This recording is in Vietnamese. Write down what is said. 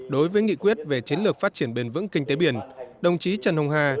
đối với nghị quyết về chiến lược phát triển bền vững kinh tế biển đồng chí trần hồng hà